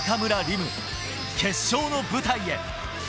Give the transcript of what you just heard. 夢が決勝の舞台へ。